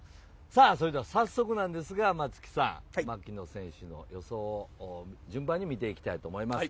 それでは、早速ですが松木さん、槙野選手と予想を順番に見ていきたいと思います。